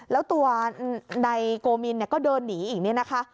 แล้วตัวนายโกมินก็เดินหนีอีกเนี่ยนะคะ